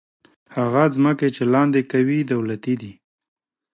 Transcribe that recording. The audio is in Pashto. هغه ځمکې چې لاندې کوي، دولتي دي.